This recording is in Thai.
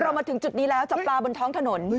มาถึงจุดนี้แล้วจับปลาบนท้องถนน